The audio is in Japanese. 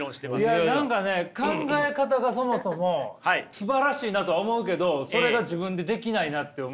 いや何かね考え方がそもそもすばらしいなとは思うけどそれが自分でできないなって思ってしまう。